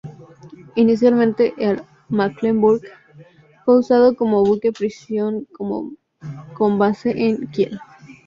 Inicialmente, el "Mecklenburg" fue usado como buque prisión con base en Kiel.